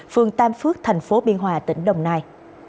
phường tam phước thành phố biên hòa tỉnh đồng nai